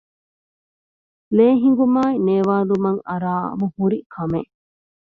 ލޭހިނގުމާއި ނޭވާލުމަށް އަރާމުހުރި ކަމެއް